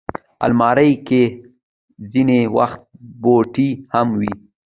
الماري کې ځینې وخت بوټي هم وي